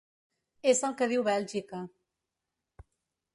És el que diu Bèlgica.